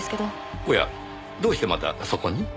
おやどうしてまたそこに？